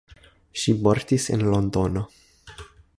Ŝi mortis en Londono.